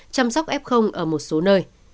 chăm sóc f ở một số nơi